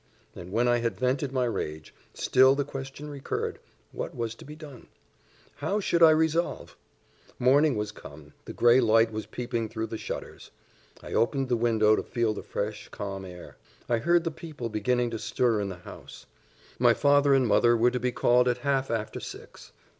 And when I had vented my rage, still the question recurred, what was to be done? how should I resolve? Morning was come, the grey light was peeping through the shutters: I opened the window to feel the fresh calm air. I heard the people beginning to stir in the house: my father and mother were to be called at half after six.